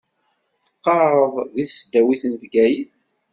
Teqqaṛeḍ di tesdawit n Bgayet.